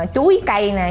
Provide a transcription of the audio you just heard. chúi cây này